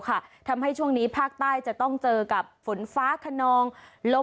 ฮัลโหลฮัลโหลฮัลโหลฮัลโหลฮัลโหล